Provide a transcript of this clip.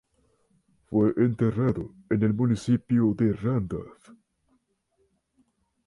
Fue enterrado en el Municipio de Randolph.